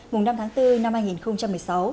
mùng năm tháng bốn năm hai nghìn một mươi sáu